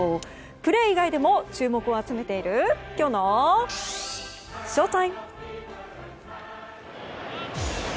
プレー以外でも注目を集めているきょうのＳＨＯＴＩＭＥ。